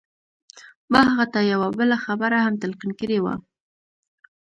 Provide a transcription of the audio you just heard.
ما هغه ته يوه بله خبره هم تلقين کړې وه.